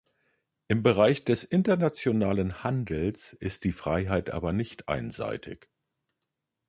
Im Bereich des internationalen Handels ist die Freiheit aber nicht einseitig.